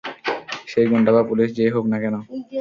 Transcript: সে গুন্ডা বা পুলিশ যে-ই হোক না কেন!